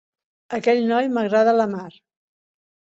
Aquell noi m'agrada la mar.